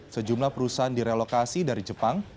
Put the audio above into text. sejumlah perusahaan direlokasi dari jepang